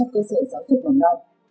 trong cơ sở giáo dục mỏng non